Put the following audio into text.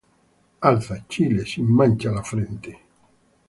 Alza, Chile, sin mancha la frente;